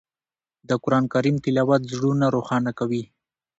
د قرآن کریم تلاوت زړونه روښانه کوي.